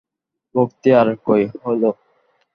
ভক্তি আর কই হল!